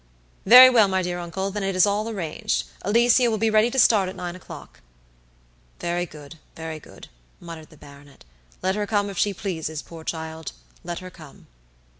"Very well, my dear uncle, then all is arranged; Alicia will be ready to start at nine o'clock." "Very good, very good," muttered the baronet; "let her come if she pleases, poor child, let her come."